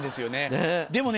でもね